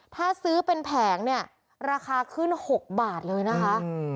ถ้าซื้อเป็นแผงเนี่ยราคาขึ้น๖บาทเลยนะคะ